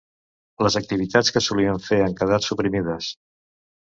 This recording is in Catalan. Les activitats que solíem fer han quedat suprimides.